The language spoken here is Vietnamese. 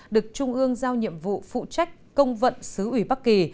được trung ương giao nhiệm vụ phụ trách công vận sứ ủy bắc kỳ